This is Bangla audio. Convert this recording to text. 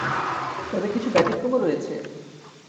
তবে কিছু ব্যতিক্রমও রয়েছে।